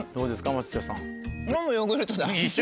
松下さん。